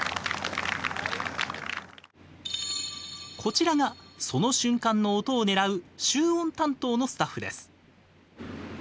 こちらが、その瞬間の音をねらう集音担当のスタッフです。